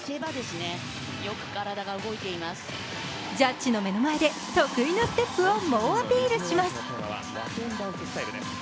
ジャッジの目の前で得意のステップを猛アピールします。